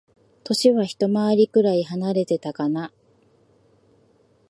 歳はひと回りくらい離れてたかな。